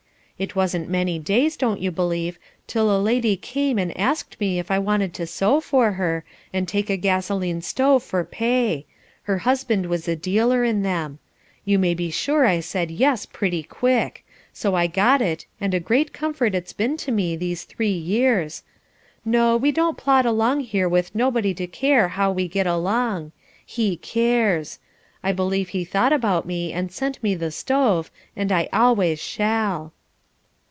It wasn't many days, don't you believe, till a lady came and asked me if I wanted to sew for her, and take a gasoline stove for pay; her husband was a dealer in them. You may be sure I said 'Yes' pretty quick; so I got it, and a great comfort it's been to me these three years. No, we don't plod along here with nobody to care how we get along. He cares. I believe he thought about me and sent me the stove, and I always shall."